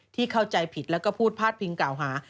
เข้าใจผิดแล้วก็พูดพาดพิงกล่าวหา